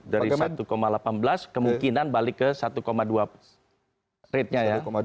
dari satu delapan belas kemungkinan balik ke satu dua ratenya ya